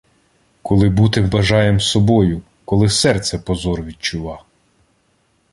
Коли бути бажаєм собою, Коли серце позор відчува!